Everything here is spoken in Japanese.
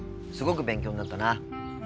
すごく勉強になったな。